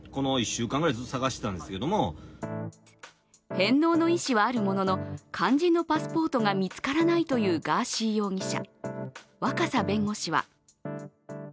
返納の意思はあるものの肝心のパスポートが見つからないというガーシー容疑者。